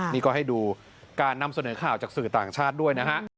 นี่ก็ให้ดูการนำเสนอข่าวจากสื่อต่างชาติด้วยนะฮะ